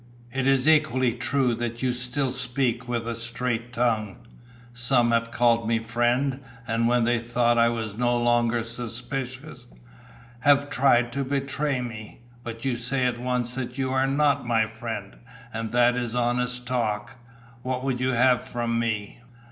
"It is equally true that you still speak with a straight tongue. Some have called me 'friend,' and when they thought I was no longer suspicious, have tried to betray me. But you say at once that you are not my friend, and that is honest talk. What would you have from me?"